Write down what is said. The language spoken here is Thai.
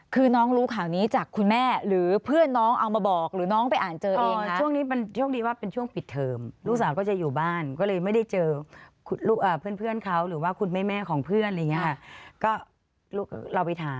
ก็เลยไม่ได้เจอเพื่อนเขาหรือว่าคุณแม่แม่ของเพื่อนอะไรอย่างนี้ค่ะ